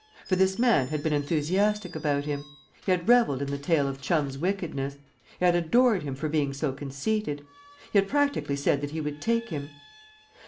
For this man had been enthusiastic about him. He had revelled in the tale of Chum's wickedness; he had adored him for being so conceited. He had practically said that he would take him.